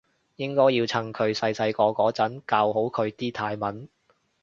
應該要趁佢細個嗰陣教好佢啲泰文